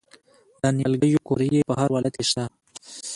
د نیالګیو قوریې په هر ولایت کې شته.